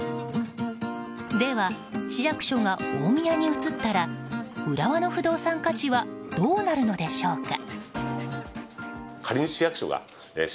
では、市役所が大宮に移ったら浦和の不動産価値はどうなるのでしょうか。